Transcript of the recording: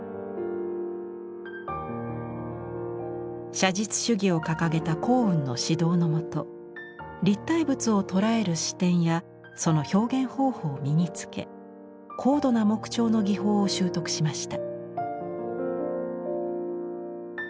写実主義を掲げた光雲の指導のもと立体物を捉える視点やその表現方法を身につけ高度な木彫の技法を習得しました。